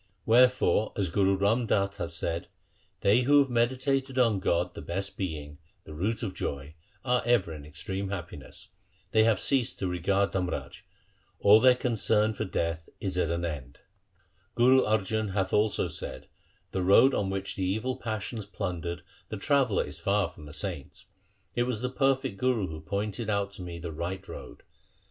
Wherefore as Guru Ram Das hath said :— They who have meditated on God the best Being, the Root of joy, are ever in extreme happiness. They have ceased to regard Dharmraj ; all their concern for death is at an end. 1 ' Guru Arjan hath also said :— The road on which the evil passions plundered The traveller is far from the saints. It was the perfect Guru who pointed out to me the right road.